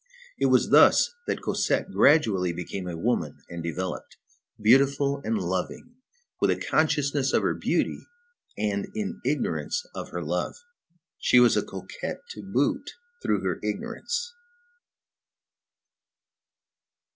It was thus that Cosette gradually became a woman and developed, beautiful and loving, with a consciousness of her beauty, and in ignorance of her love. She was a coquette to boot through her ignorance.